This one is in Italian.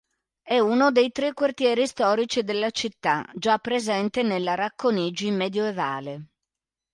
È uno dei tre quartieri storici della città già presente nella Racconigi medioevale.